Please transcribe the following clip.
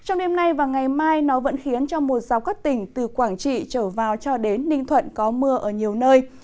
ngày và ngày mai nó vẫn khiến cho một dọc các tỉnh từ quảng trị trở vào cho đến ninh thuận có mưa ở nhiều nơi